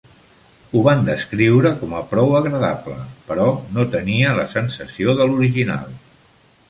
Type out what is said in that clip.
Ho van descriure com a "prou agradable", però no tenia la sensació de l'original.